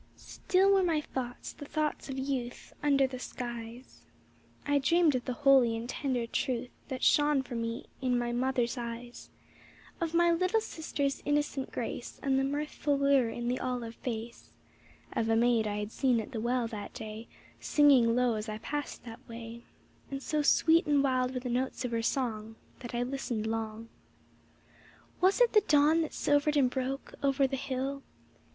Still were my thoughts the thoughts of youth Under the skies: I dreamed of the holy and tender truth That shone for me in my mother's eyes; Of my little sister's innocent grace. And the mirthful lure in the olive face Of a maid I had seen at the well that day, Singing low as I passed that way, And so sweet and wild were the notes of her song, That I listened long. 110 Was it the dawn that silvered and broke Over the hill?